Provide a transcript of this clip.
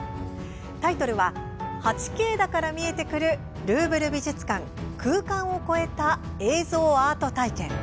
タイトルは「８Ｋだから見えてくるルーブル美術館空間を超えた映像アート体験」。